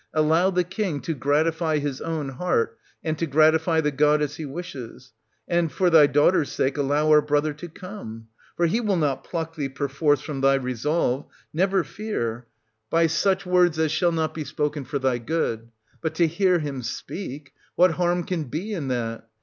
Allow the king to gratify his own heart, and to gratify the god as he wishes ; and, for thy daughter's sake, allow our brother to come. For he will not pluck thee perforce from thy resolve, — never fear, — by such 104 SOPHOCLES, [1187— 1212 words as shall not be spoken for thy good. But to hear him speak, — what harm can be in that?